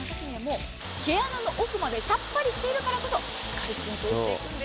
毛穴の奥までさっぱりしているからこそしっかり浸透していくんです。